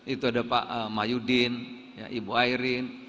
itu ada pak mahyudin ibu airin